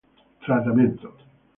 Tratamiento